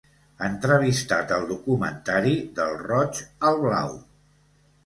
Entrevistat al documentari ‘Del roig al blau’